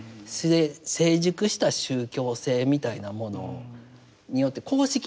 成熟した宗教性みたいなものによって公式ないわけですから。